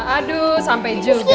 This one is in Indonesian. aduh sampai juga